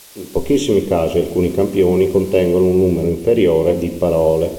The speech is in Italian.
In pochissimi casi alcuni campioni contengono un numero inferiore di parole.